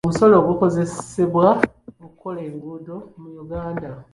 Omusolo gukozesebwa okukola enguudo mu Uganda.